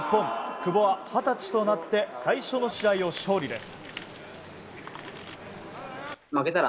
久保は二十歳となって最初の試合を勝利です。